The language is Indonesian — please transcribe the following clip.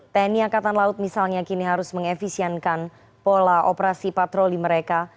tni angkatan laut misalnya kini harus mengefisienkan pola operasi patroli mereka